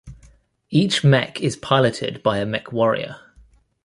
Each mech is piloted by a mechwarrior.